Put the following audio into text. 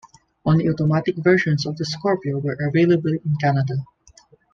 Only automatic versions of the Scorpio were available in Canada.